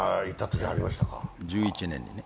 １１年にね。